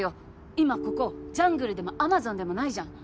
今ここジャングルでもアマゾンでもないじゃん。